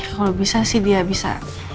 kalau bisa sih dia bisa